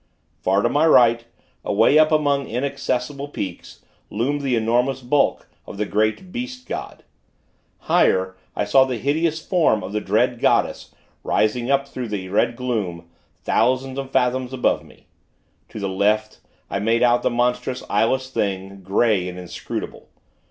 Far to my right, away up among inaccessible peaks, loomed the enormous bulk of the great Beast god. Higher, I saw the hideous form of the dread goddess, rising up through the red gloom, thousands of fathoms above me. To the left, I made out the monstrous Eyeless Thing, grey and inscrutable.